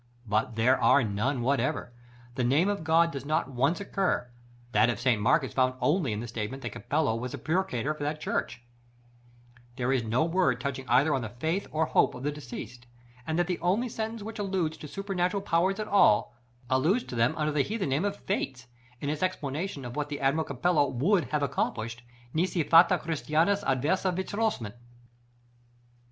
But there are none whatever. The name of God does not once occur; that of St. Mark is found only in the statement that Cappello was a procurator of the church: there is no word touching either on the faith or hope of the deceased; and the only sentence which alludes to supernatural powers at all, alludes to them under the heathen name of fates, in its explanation of what the Admiral Cappello would have accomplished, "nisi fata Christianis adversa vetuissent."